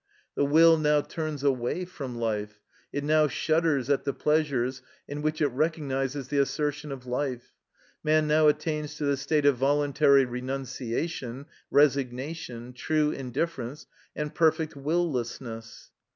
The will now turns away from life; it now shudders at the pleasures in which it recognises the assertion of life. Man now attains to the state of voluntary renunciation, resignation, true indifference, and perfect will lessness.